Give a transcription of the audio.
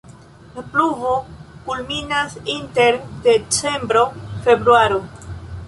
La pluvo kulminas inter decembro-februaro.